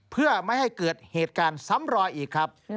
เพื่อไม่ให้เกิดเหตุการณ์ซ้ำรอยอีกครับ